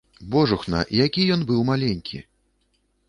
Божухна, які ён быў маленькі!